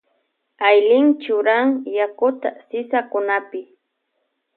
Aylin churan yakuta sisakunapi.